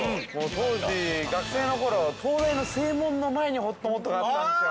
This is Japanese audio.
◆当時、学生のころ、東大の正門の前にほっともっとがあったんですよ。